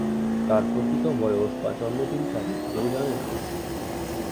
তার প্রকৃত বয়স বা জন্ম তারিখ কেউ জানে না।